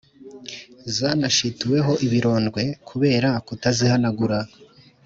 Zanashituweho ibirondwe kubera kutazihanagura